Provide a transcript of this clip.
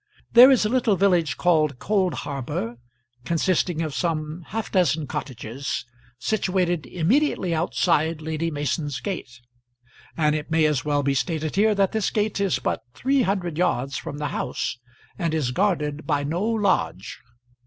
There is a little village called Coldharbour, consisting of some half dozen cottages, situated immediately outside Lady Mason's gate, and it may as well be stated here that this gate is but three hundred yards from the house, and is guarded by no lodge.